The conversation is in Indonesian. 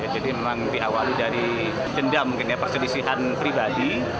jadi memang di awali dari dendam mungkin perselisihan pribadi